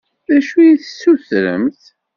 D acu ad d-tessutremt?